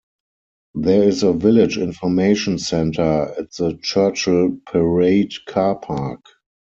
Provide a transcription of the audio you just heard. There is a village information centre at the Churchill Parade car park.